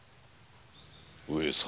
上様。